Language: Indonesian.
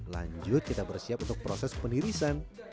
lanjut kita bersiap untuk proses penirisan